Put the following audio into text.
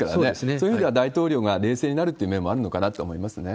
そういう意味では、大統領が冷静になるという面もあるのかなと思いますね。